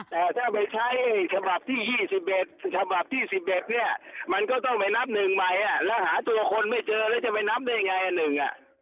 แต่ถ้าไปใช้ฉบับที่๒๑มันก็ต้องไปนับหนึ่งใหม่แล้วหาตัวคนไม่เจอแล้วจะไปนับได้ไงอันหนึ่ง